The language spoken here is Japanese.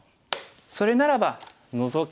それならばノゾキ。